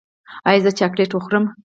ایا زه چاکلیټ وخورم؟